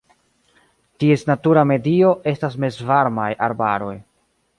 Ties natura medio estas mezvarmaj arbaroj.